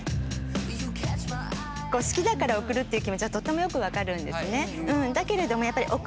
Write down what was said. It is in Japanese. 好きだから送るっていう気持ちはとてもよく分かるんですね。